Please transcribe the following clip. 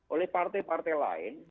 oleh partai partai lain